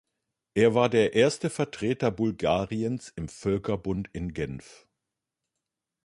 Er war der erste Vertreter Bulgariens im Völkerbund in Genf.